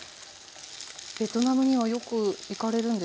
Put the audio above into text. ベトナムにはよく行かれるんですか？